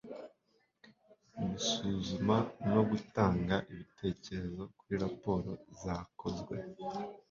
gusuzuma no gutanga ibitekerezo kuri raporo zakozwe